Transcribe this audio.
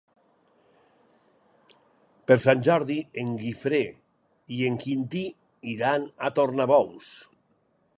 Per Sant Jordi en Guifré i en Quintí iran a Tornabous.